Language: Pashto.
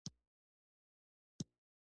د کوکنارو پاڼې د څه لپاره وکاروم؟